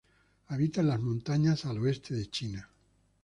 Habita en las montañas al oeste de China.